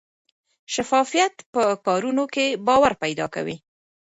شفافیت په کارونو کې باور پیدا کوي.